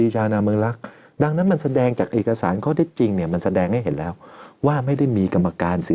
ยังไม่ได้ส่งให้กต